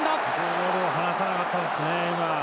ボールを離さなかったですね、今。